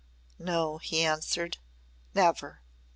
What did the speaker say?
"No," he answered. "Never!"